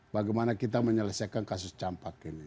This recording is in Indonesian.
bagaimana kita menyelesaikan kasus campak ini